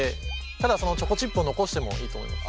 ただそのチョコチップを残してもいいと思います。